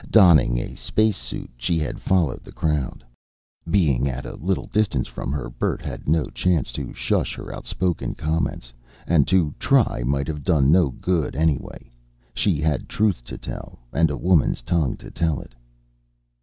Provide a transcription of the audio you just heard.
Donning a spacesuit, she had followed the crowd. Being at a little distance from her, Bert had no chance to shush her outspoken comments. And to try might have done no good, anyway. She had truth to tell, and a woman's tongue to tell it.